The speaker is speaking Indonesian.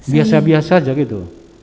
biasa biasa saja gitu